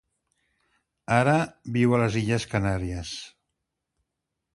Ara, viu a les Illes Canàries.